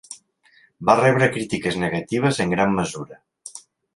Va rebre crítiques negatives en gran mesura.